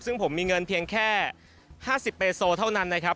ซึ่งผมมีเงินเพียงแค่๕๐เบโซเท่านั้นนะครับ